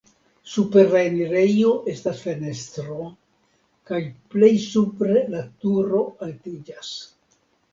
Super la enirejo estas fenestro kaj plej supre la turo altiĝas.